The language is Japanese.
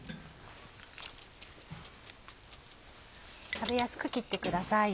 食べやすく切ってください。